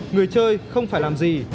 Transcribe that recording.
người chơi không phải làm gì